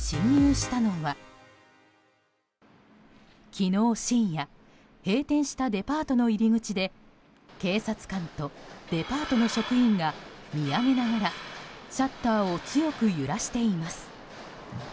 昨日深夜閉店したデパートの入り口で警察官とデパートの職員が見上げながらシャッターを強く揺らしています。